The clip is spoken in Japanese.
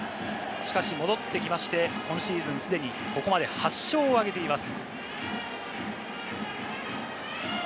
しかし、戻ってきまして、今シーズン既にここまで８勝を挙げています。